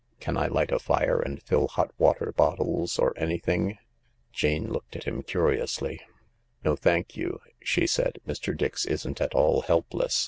" Can I light a fire and fill hot water bottles or anything ?" Jane looked at him curiously. " No, thank you," she said. " Mr. Dix isn't at all help less.